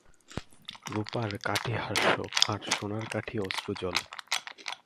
রূপার কাঠি হাস্য, আর সোনার কাঠি অশ্রুজল।